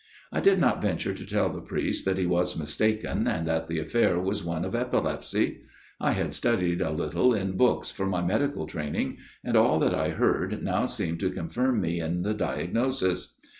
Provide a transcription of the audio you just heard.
" I did not venture to tell the priest that he was mistaken and that the affair was one of epilepsy. I had studied a little in books for my medical training, and all that I heard now seemed to confirm me in the diagnosis.